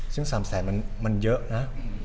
ซึ่ง๓เสสคนนี้มันเยอะนะ